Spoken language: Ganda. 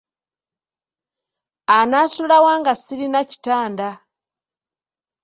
Anaasula wa nga sirina kitanda?